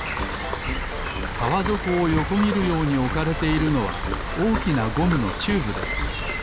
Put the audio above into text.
かわぞこをよこぎるようにおかれているのはおおきなゴムのチューブです。